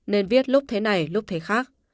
nên viết lúc thế này lúc thế khác